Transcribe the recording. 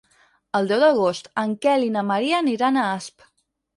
El deu d'agost en Quer i na Maria aniran a Asp.